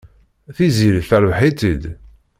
Tiziri terbeḥ-itt-id.